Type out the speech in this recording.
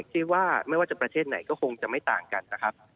ที่ว่าไม่ว่าจะประเทศไหนก็คงจะไม่ต่างกันนะครับ